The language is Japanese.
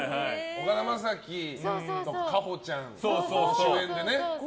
岡田将生と夏帆ちゃんが主演でね。